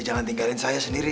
jangan tinggalin saya sendiri